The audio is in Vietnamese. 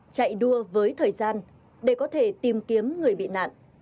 chạy đua với thời gian để có thể tìm kiếm người bị nạn